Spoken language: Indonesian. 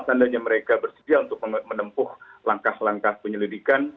seandainya mereka bersedia untuk menempuh langkah langkah penyelidikan